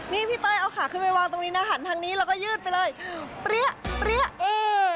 นี่พี่เต้ยเอาขาขึ้นไปวางตรงนี้นะหันทางนี้แล้วก็ยืดไปเลยเปรี้ยเปรี้ยเอ